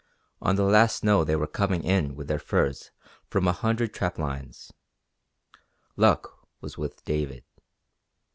On the last snow they were coming in with their furs from a hundred trap lines. Luck was with David.